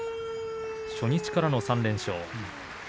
初日からの３連勝。